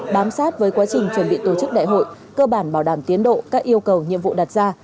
bám sát với quá trình chuẩn bị tổ chức đại hội cơ bản bảo đảm tiến độ các yêu cầu nhiệm vụ đặt ra